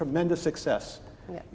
itu adalah sukses yang sangat besar